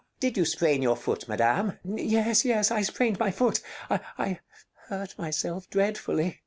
Count Did you sprain your foot, Madame? Rosina Yes, yes, I sprained my foot! I hurt myself dreadfully.